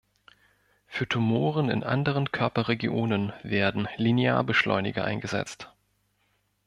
Für Tumoren in anderen Körperregionen werden Linearbeschleuniger eingesetzt.